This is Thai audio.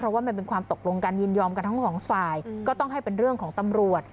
เพราะว่ามันเป็นความตกลงการยินยอมกันทั้งสองฝ่ายก็ต้องให้เป็นเรื่องของตำรวจ